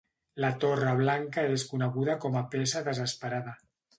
La torre blanca és coneguda com a peça desesperada.